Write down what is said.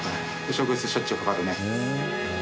職質しょっちゅうかかるね。